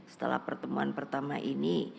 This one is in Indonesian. setelah pertemuan pertama ini